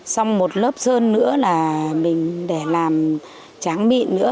xong một lớp sơn nữa là mình để làm tráng mịn nữa